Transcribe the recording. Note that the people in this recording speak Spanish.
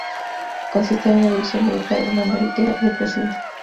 Consiste en una división militar, una marítima y otra civil.